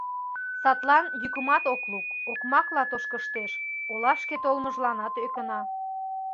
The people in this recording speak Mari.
Садлан йӱкымат ок лук, окмакла тошкыштеш, олашке толмыжланат ӧкына.